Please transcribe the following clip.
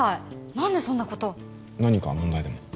何でそんなこと何か問題でも？